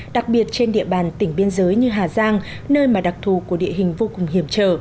đặc biệt trên địa bàn tỉnh biên giới như hà giang nơi mà đặc thù của địa hình vô cùng hiểm trở